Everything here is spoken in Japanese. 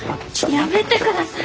やめてください。